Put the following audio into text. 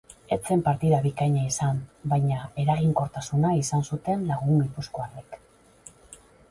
Ez zen partida bikaina izan, baina eraginkortasuna izan zuten lagun gipuzkoarrek.